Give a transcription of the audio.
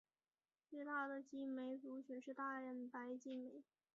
最大的激酶族群是蛋白激酶。